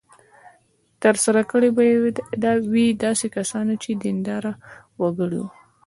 ترسره کړې به وي داسې کسانو چې دینداره وګړي وو.